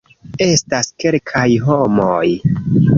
Estas kelkaj homoj